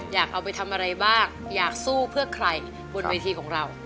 อยากเอาไปทำอะไรบ้างอยากสู้เพื่อใครบนเวทีของเรา